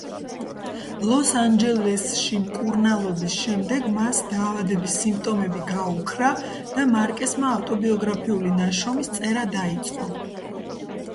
ლოს ანჯელესში მკურნალობის შემდეგ მას დაავადების სიმპტომები გაუქრა და მარკესმა ავტობიოგრაფიული ნაშრომის წერა დაიწყო.